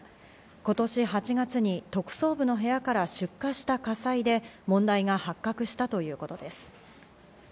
今年８月に特捜部の部屋から出火した火災で、問題が発覚したということです。